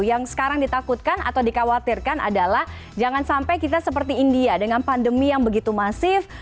yang sekarang ditakutkan atau dikhawatirkan adalah jangan sampai kita seperti india dengan pandemi yang begitu masif